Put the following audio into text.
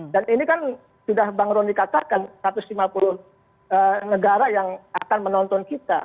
dan ini kan sudah bang rony katakan satu ratus lima puluh negara yang akan menonton kita